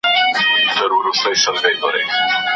نور د مځکي د خدایانو نه بنده یم نه غلام یم